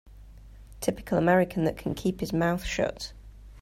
Typical American that can keep his mouth shut.